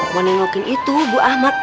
mau nengokin itu bu ahmad